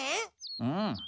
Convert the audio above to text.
うん。